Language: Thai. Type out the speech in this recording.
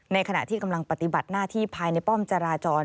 ขณะที่กำลังปฏิบัติหน้าที่ภายในป้อมจราจร